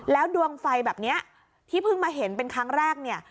แล้วดวงไฟแบบนี้ที่เพิ่งมาเห็นเป็นครั้งแรกเนี่ย